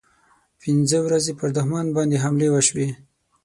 پنځه ورځې پر دښمن باندې حملې وشوې.